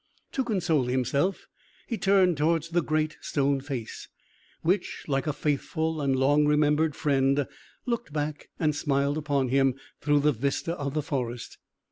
To console himself, he turned towards the Great Stone Face, which, like a faithful and long remembered friend, looked back and smiled upon him through the vista of the forest.